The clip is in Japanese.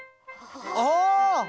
ああ！